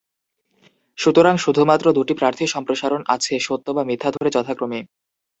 সুতরাং, শুধুমাত্র দুটি প্রার্থী সম্প্রসারণ আছে, সত্য বা মিথ্যা ধরে, যথাক্রমে।